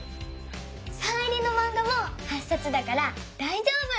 サイン入りのマンガも８さつだからだいじょうぶ！